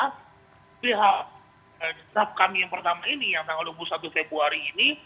tapi tetap kami yang pertama ini yang tanggal dua puluh satu februari ini